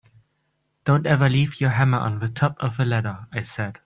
Don’t ever leave your hammer on the top of the ladder, I said.